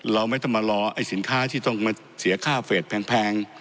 เราไม่ต้องมารอไอ้สินค้าที่ต้องมาเสียค่าเฟสแพง